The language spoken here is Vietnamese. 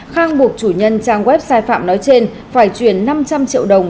khang buộc chủ nhân trang web sai phạm nói trên phải chuyển năm trăm linh triệu đồng